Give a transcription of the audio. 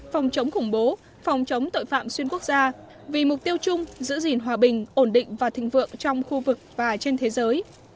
phòng chống khủng bố phòng chống tội phạm xuyên quốc gia vì mục tiêu chung giữ gìn hòa bình ổn định và thịnh vượng trong khu vực và trên thế giới